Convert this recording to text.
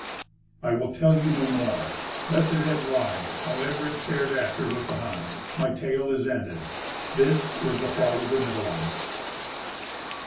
I WILL TELL YOU NO MORE. LET THE DEAD LIE. HOWEVER IT FARED AFTER WITH THE HUNS, MY TALE IS ENDED. THIS IS THE FALL OF THE NIBELUNGS.